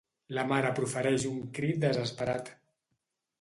La mare profereix un crit desesperat.